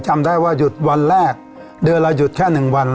จำได้ว่าหยุดวันแรกเดือนละหยุดแค่๑วัน